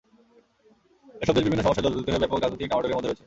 এসব দেশ বিভিন্ন সমস্যায় জর্জরিত হয়ে ব্যাপক রাজনৈতিক ডামাডোলের মধ্যে রয়েছে।